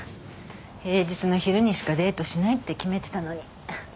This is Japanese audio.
平日の昼にしかデートしないって決めてたのに。